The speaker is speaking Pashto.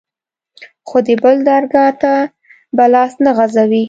خو د بل درګا ته به لاس نه غځوې.